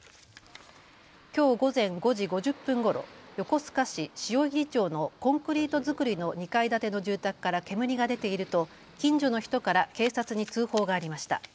きょう午前５時５０分ごろ、横須賀市汐入町のコンクリート造りの２階建ての住宅から煙が出ていると近所の人から警察に通報がありました。